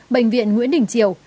bệnh viện nguyễn đình triệu